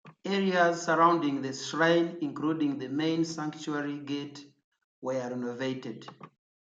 Areas surrounding the shrine including the Main Sanctuary Gate, were renovated.